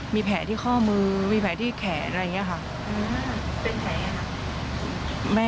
มีแผลที่ข้อมือมีแผลที่แขนอะไรอย่างนี้ค่ะเป็นแผลค่ะ